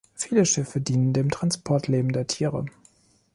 Viele Schiffe dienen dem Transport lebender Tiere.